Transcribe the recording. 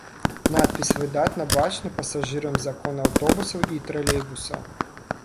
Надпіс выдатна бачны пасажырам з акон аўтобусаў і тралейбусаў.